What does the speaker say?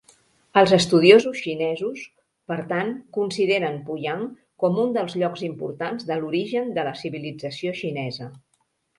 Els estudiosos xinesos, per tant, consideren Puyang com un dels llocs importants de l'origen de la civilització xinesa.